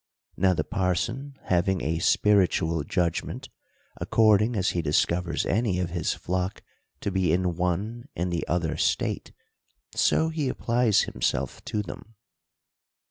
Now the parson having a spiritual judgment, according as he discovers any of his flock to be in one and the other state, so he applies himself to them.